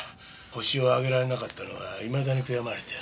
ホシを挙げられなかったのがいまだに悔やまれてな。